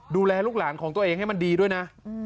ดูแลลูกหลานของตัวเองให้มันดีด้วยนะ